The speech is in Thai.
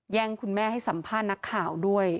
คุณแม่ให้สัมภาษณ์นักข่าวด้วย